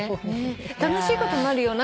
楽しいこともあるよ。